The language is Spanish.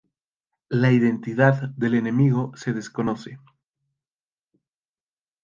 La identidad del enemigo se desconoce.